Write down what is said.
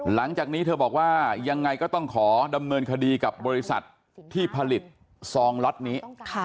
หลังจากนี้เธอบอกว่ายังไงก็ต้องขอดำเนินคดีกับบริษัทที่ผลิตซองล็อตนี้